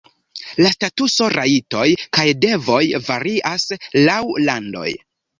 La statuso, rajtoj kaj devoj varias laŭ landoj.